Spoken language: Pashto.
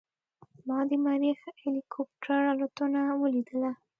ما د مریخ هلیکوپټر الوتنه ولیدله.